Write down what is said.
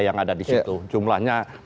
yang ada di situ jumlahnya